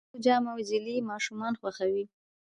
د میوو جام او جیلی ماشومان خوښوي.